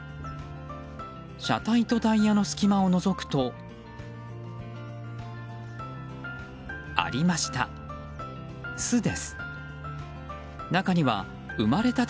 車体とタイヤの隙間をのぞくとありました。